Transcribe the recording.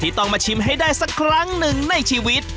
ต้องมาชิมให้ได้สักครั้งหนึ่งในชีวิต